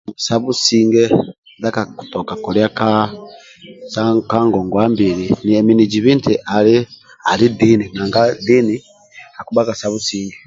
Sa businge ndia kakitoka kola ka sa ka ngongwa mbili nemi nizibi ali dini nanga dini akibhaga sa businge